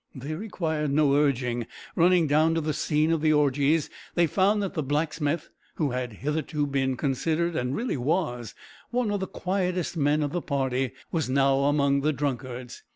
They required no urging. Running down to the scene of the orgies, they found that the blacksmith, who had hitherto been considered and really was one of the quietest men of the party, was now among the drunkards.